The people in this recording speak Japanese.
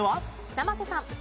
生瀬さん。